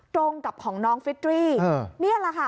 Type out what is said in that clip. ตรงกับของน้องฟิตรีนี่แหละค่ะ